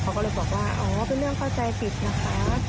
เขาก็เลยบอกว่าอ๋อเป็นเรื่องเข้าใจผิดนะคะ